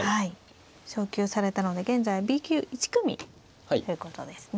昇級されたので現在はＢ級１組ということですね。